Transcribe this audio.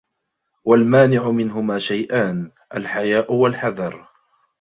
وَالْمَانِعُ مِنْهُمَا شَيْئَانِ الْحَيَاءُ ، وَالْحَذَرُ